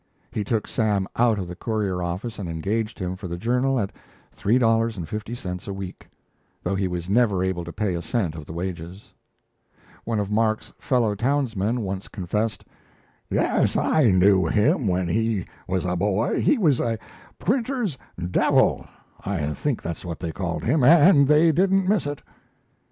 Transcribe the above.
He took Sam out of the Courier office and engaged him for the Journal at $3.50 a week though he was never able to pay a cent of the wages. One of Mark's fellow townsmen once confessed: "Yes, I knew him when he was a boy. He was a printer's devil I think that's what they called him and they didn't miss it."